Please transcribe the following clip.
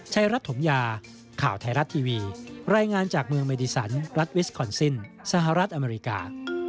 รัฐถมยาข่าวไทยรัฐทีวีรายงานจากเมืองเมดิสันรัฐวิสคอนซินสหรัฐอเมริกา